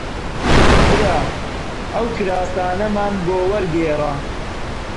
برا ئەو کراسانەمان بۆ وەرگێڕە